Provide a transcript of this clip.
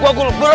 gua guru guru